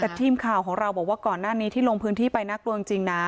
แต่ทีมข่าวของเราบอกว่าก่อนหน้านี้ที่ลงพื้นที่ไปน่ากลัวจริงนะ